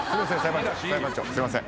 すいません。